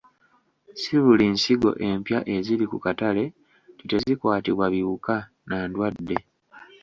Si buli nsigo empya eziri ku katale nti tezikwatibwa biwuka na ndwadde.